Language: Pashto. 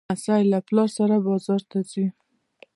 لمسی له پلار سره بازار ته ځي.